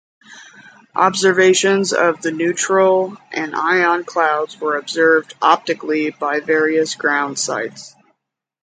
Observations of the neutral and ion clouds were observed optically by various ground sites.